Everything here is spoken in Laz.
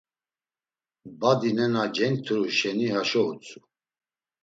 Badi nena cenkturu şeni haşo utzu.